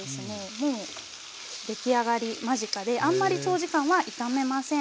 もう出来上がり間近であんまり長時間は炒めません。